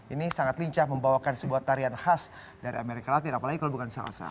ini sangat lincah membawakan sebuah tarian khas dari amerika latin apalagi kalau bukan salsa